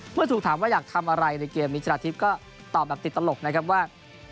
เมื่อถูกถามว่าอยากทำอะไรในเกมนี้ชนะทิพย์ก็ตอบแบบติดตลกนะครับว่า